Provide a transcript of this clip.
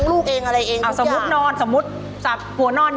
ไม่รู้จะมาหาแกดงไหน